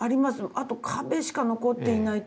あと壁しか残っていないとか。